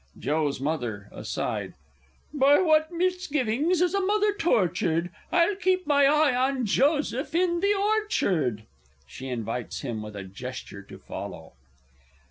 Joe's Mother (aside). By what misgivings is a mother tortured! I'll keep my eye on Joseph in the orchard. [_She invites him with a gesture to follow.